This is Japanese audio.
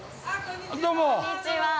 ◆こんにちはー。